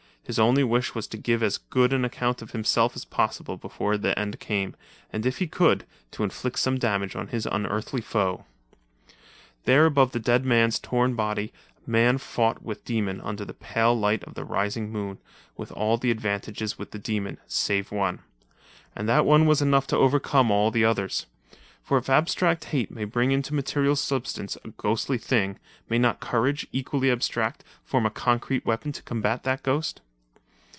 His only wish was to give as good an account of himself as possible before the end came, and if he could, to inflict some damage on his unearthly foe. There above the dead man's torn body, man fought with demon under the pale light of the rising moon, with all the advantages with the demon, save one. And that one was enough to overcome the others. For if abstract hate may bring into material substance a ghostly thing, may not courage, equally abstract, form a concrete weapon to combat that ghost?